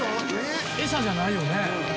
エサじゃないよね？